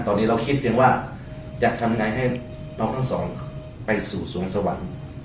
ตอนนี้เราคิดเพียงว่าจะทำไงให้น้องทั้งสองไปสู่สวงสวรรค์